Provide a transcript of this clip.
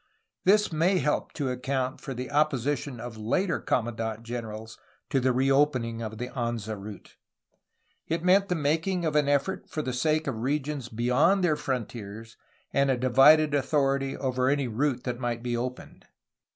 This may help to account for the opposition of later commandant generals to the reopening of the Anza route. It meant the making of an effort for the sake of regions beyond their frontiers and a divided authority over any route that might be opened.